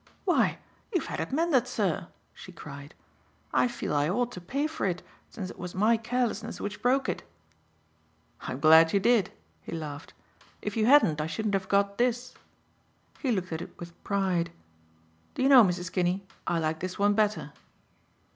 "Why, you've had it mended, sir," she cried. "I feel I ought to pay for it, since it was my carelessness which broke it." "I'm glad you did," he laughed. "If you hadn't I shouldn't have got this." He looked at it with pride. "Do you know, Mrs. Kinney, I like this one better."